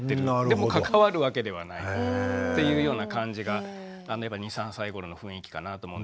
でも関わるわけではないというような感じが２３歳ごろの雰囲気かなと思うんですよね。